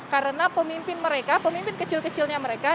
karena pemimpin mereka pemimpin kecil kecilnya mereka